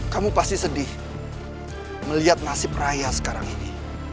kamu pasti sedih melihat nasib raya sekarang ini